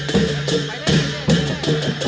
สวัสดีครับ